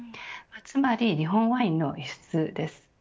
つまり日本ワインの輸出です。